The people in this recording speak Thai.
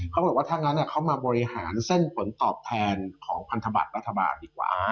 เขาบอกว่าถ้างั้นเขามาบริหารเส้นผลตอบแทนของพันธบัตรรัฐบาลดีกว่า